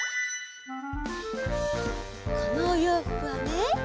このおようふくはね